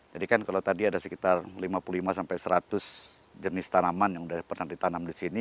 jadi kan kalau tadi ada sekitar lima puluh lima sampai seratus jenis tanaman yang sudah pernah ditanam di sini